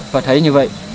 và thấy như vậy